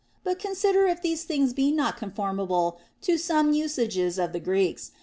But consider if these things be not conformable to some usages of the Greeks.